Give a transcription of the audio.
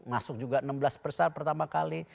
masuk juga enam belas persen pertama kali